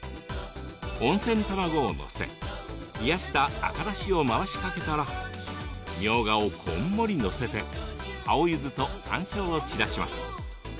温泉卵を載せ冷やした赤だしを回しかけたらみょうがをこんもり載せて青ゆずとさんしょうを散らします。